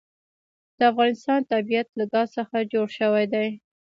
د افغانستان طبیعت له ګاز څخه جوړ شوی دی.